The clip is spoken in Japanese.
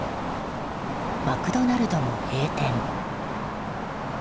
マクドナルドも閉店。